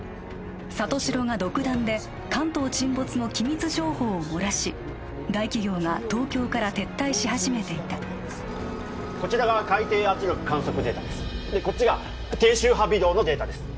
里城が独断で関東沈没の機密情報を漏らし大企業が東京から撤退し始めていたこちらが海底圧力観測データですでこっちが低周波微動のデータです